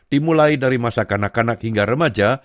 dimulai dari masa kanak kanak hingga remaja